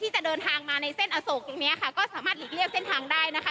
จะเดินทางมาในเส้นอโศกตรงนี้ค่ะก็สามารถหลีกเลี่ยงเส้นทางได้นะคะ